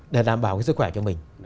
để đảm bảo cái sức khỏe cho mình